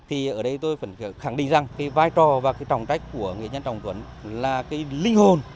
thì ở đây tôi vẫn khẳng định rằng cái vai trò và cái trọng trách của nghệ nhân trọng tuấn là cái linh hồn